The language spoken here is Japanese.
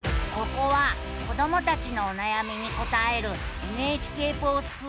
ここは子どもたちのおなやみに答える「ＮＨＫｆｏｒＳｃｈｏｏｌワールド」。